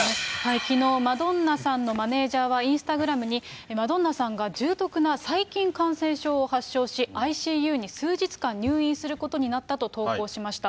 きのう、マドンナさんのマネージャーは、インスタグラムにマドンナさんが重篤な細菌感染症を発症し、ＩＣＵに数日間入院することになったと投稿しました。